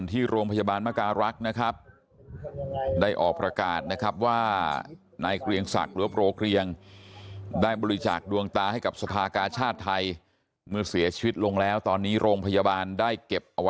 ถ้าคุณพ่อไม่ได้เกี่ยวข้องอะไรกับเรื่องนี้เลยก็คือหนูแบบเสียใจมาก